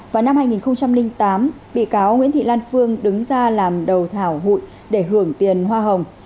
vào năm hai nghìn tám bị cáo nguyễn thị lan phương đứng ra làm đầu thảo hụi để hưởng tiền hoa hồng